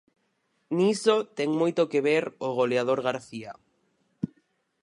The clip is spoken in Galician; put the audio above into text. Niso ten moito que ver o goleador García.